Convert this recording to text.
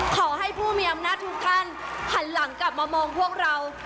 ขอให้ผู้มีอำนาจทุกท่านหันหลังกลับมามองพวกเรา